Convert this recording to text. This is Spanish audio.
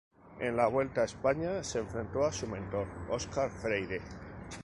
En la Vuelta a España, se enfrentó a su mentor, Óscar Freire.